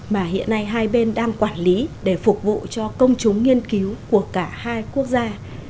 mà hiện nay hai bên đang quản lý để phục vụ cho công chúng nghiên cứu của cả hai quốc gia